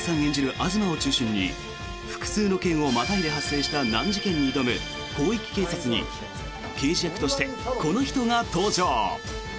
東を中心に複数の県をまたいで発生した難事件に挑む「広域警察」に刑事役としてこの人が登場！